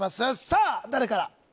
さあ誰から？